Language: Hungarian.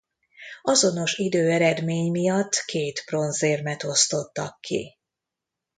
Azonos időeredmény miatt két bronzérmet osztottak ki.